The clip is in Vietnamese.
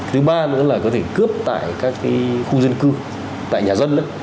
thứ ba nữa là có thể cướp tại các khu dân cư tại nhà dân